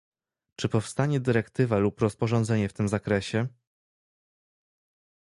Czy powstanie dyrektywa lub rozporządzenie w tym zakresie?